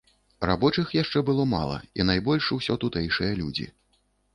Рабочых яшчэ было мала і найбольш усё тутэйшыя людзі.